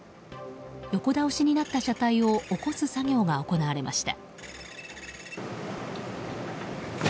横倒しになった車体を起こす作業が行われました。